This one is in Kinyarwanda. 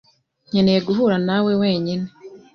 Nkeneye guhura nawe wenyine?